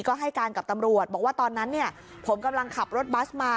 ก็ให้การกับตำรวจบอกว่าตอนนั้นเนี่ยผมกำลังขับรถบัสมา